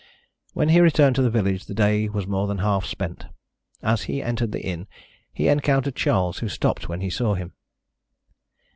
When he returned to the village the day was more than half spent. As he entered the inn, he encountered Charles, who stopped when he saw him.